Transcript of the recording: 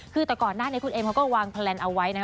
คือแต่ก่อนหน้านี้คุณเอมเขาก็วางแพลนเอาไว้นะ